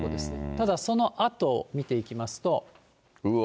ただ、そのあと見ていきますと。